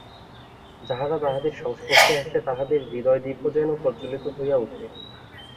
যাহারা তাঁহাদের সংস্পর্শে আসে, তাহাদের হৃদয়দীপও যেন প্রজ্বলিত হইয়া উঠে।